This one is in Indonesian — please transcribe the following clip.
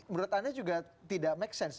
menurut anda juga tidak make sense